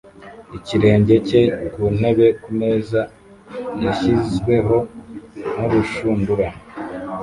ikirenge cye kuntebe kumeza yashyizweho nurushundura